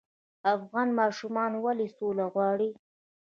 افغان ماشومان ولې سوله غواړي؟